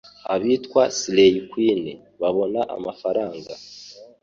abitwa Slay Queen babona amafaranga